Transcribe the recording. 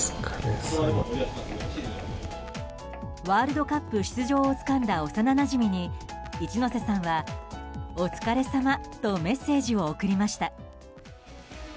ワールドカップ出場をつかんだ幼なじみに一ノ瀬さんは、お疲れさまとメッセージを送りました。